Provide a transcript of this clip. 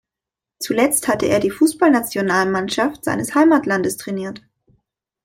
Zuletzt hatte er die Fußballnationalmannschaft seines Heimatlandes trainiert.